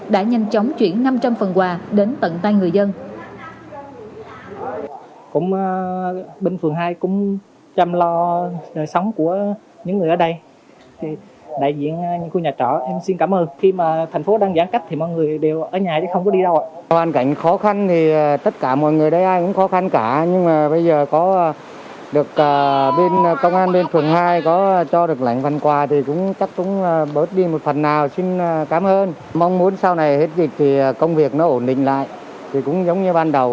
đã nhanh chóng chuyển năm trăm linh phần quà đến tận tay người dân